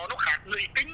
nó khác người tính